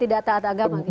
tidak taat agama